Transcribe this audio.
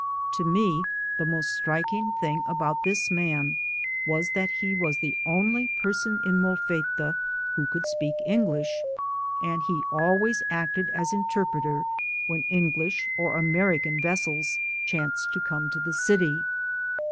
To me the most striking thing about 64 THE SOUL OF AN IMMIGRANT this man was that he was the only person in Molfetta who could speak English, and he always acted as interpreter when English or American ves sels chanced to come to the city.